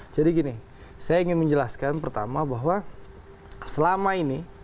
jadi gini saya ingin menjelaskan pertama bahwa selama ini